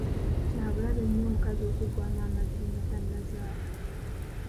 kyabulabe nnyo omukazi okuggwaamu amazzi nga tannazaala.